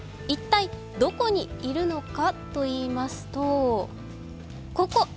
一体どこにいるのかといいますとここ！